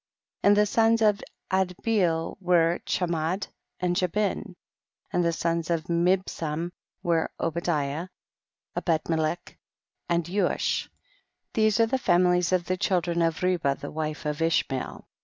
23. And the sons of Adbeel were Chamad and Jabin ; and the sons of Mibsam were Obadiah, Ebedmelech and Ycush ; these are the families of the children of Ribah the wife of Ishmael.